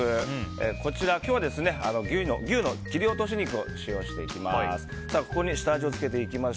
こちら今日は牛の切り落とし肉を使用していきます。